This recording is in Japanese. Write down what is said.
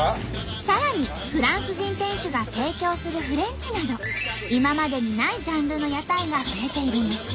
さらにフランス人店主が提供するフレンチなど今までにないジャンルの屋台が増えているんです。